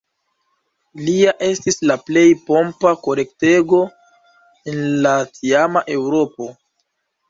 Lia estis la plej pompa kortego en la tiama Eŭropo.